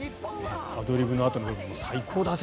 アドリブあとの部分も最高だぜ！